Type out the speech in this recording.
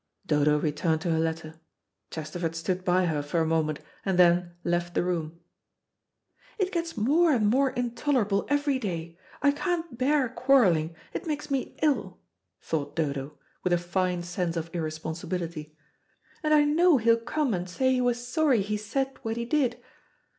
Dodo returned to her letter. Chesterford stood by her for a moment, and then left the room. "It gets more and more intolerable every day. I can't bear quarrelling; it makes me ill," thought Dodo, with a fine sense of irresponsibility. "And I know he'll come and say he was sorry he said what he did.